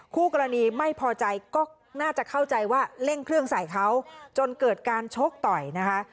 คู่กรณีไม่พอใจก็น่าจะเข้าใจว่าเร่งเครื่องใส่เขาจนเกิดการชกต่อยนะคะ